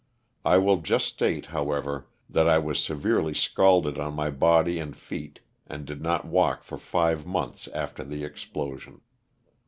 I will just state, however, that I was severely scalded on my body and feet and did not walk for five months after the explosion.